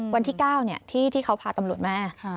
วันที่๙เนี่ยที่เขาพาตำรวจแม่